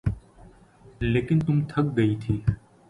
لیکن میں تھک گئی تھی